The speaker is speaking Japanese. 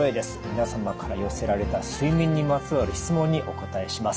皆様から寄せられた睡眠にまつわる質問にお答えします。